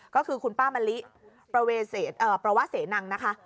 ก็คือคุณป้ามะลิประวะเสนังนะคะ